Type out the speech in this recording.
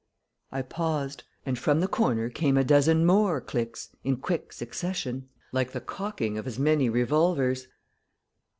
I paused, and from the corner there came a dozen more clicks in quick succession, like the cocking of as many revolvers.